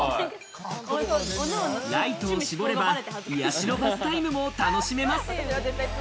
ライトを絞れば、癒やしのバスタイムも楽しめます。